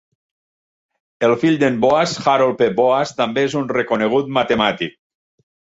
El fill d'en Boas, Harold P. Boas, també és un reconegut matemàtic.